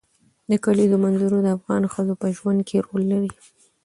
د کلیزو منظره د افغان ښځو په ژوند کې رول لري.